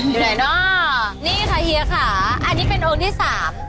อยู่ไหนเนอะนี่ค่ะเฮียค่ะอันนี้เป็นองค์ที่สาม